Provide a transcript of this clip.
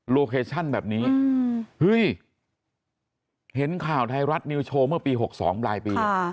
เคชั่นแบบนี้เฮ้ยเห็นข่าวไทยรัฐนิวโชว์เมื่อปี๖๒ปลายปี